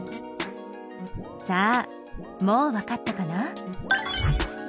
さあもうわかったかな？